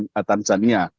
dengan pemerintah indonesia